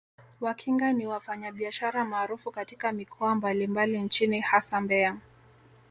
Wakinga ni wafanyabiashara maarufu katika mikoa mbalimbali nchini hasa Mbeya